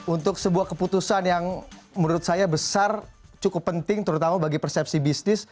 untuk sebuah keputusan yang menurut saya besar cukup penting terutama bagi persepsi bisnis